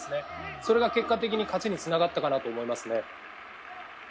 それが結果的に勝ちにつながったかなと思いますね。